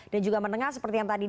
dan juga menengah seperti yang tadi